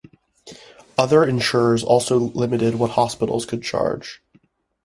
Other insurers also limited what hospitals could charge.